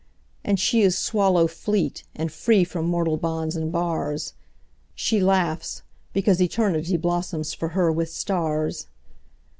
And she is swallow fleet, and freeFrom mortal bonds and bars. She laughs, because eternityBlossoms for her with stars!